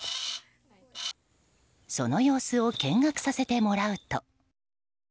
その様子を見学させてもらうと。